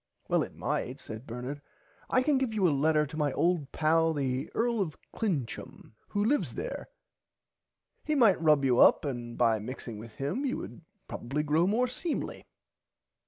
Well it might said Bernard I can give you a letter to my old pal the Earl of Clincham who lives there he might rub you up and by mixing with him you would probably grow more seemly.